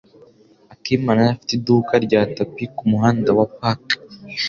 Akimana yari afite iduka rya tapi kumuhanda wa Park.